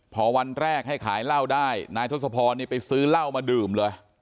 พอวันแรกให้ขายเหล้าได้นายทศพรไปซื้อเหล้ามาดื่มเลย